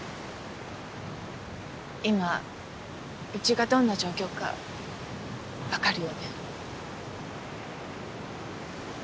今うちがどんな状況か分かるよね？